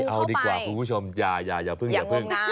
ไม่เอาดีกว่าคุณผู้ชมอย่าพึ่ง